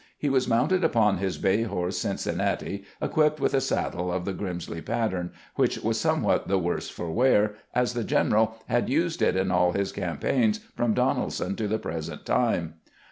He was mounted upon his bay horse " Cincinnati," equipped with a saddle of the Grrimsley pattern, which was somewhat the worse for wear, as the general had used it in all his campaigns from Donelson to the present time.